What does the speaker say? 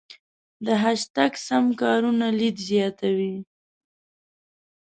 د هشتګ سمه کارونه لید زیاتوي.